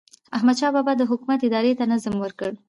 احمدشاه بابا د حکومت ادارې ته نظم ورکړ.